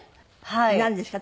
なんですか？